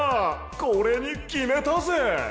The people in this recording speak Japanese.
これにきめたぜ！